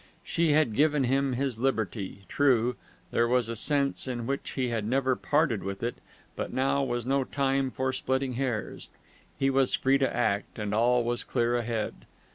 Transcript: She had given him his liberty; true, there was a sense in which he had never parted with it, but now was no time for splitting hairs; he was free to act, and all was clear ahead.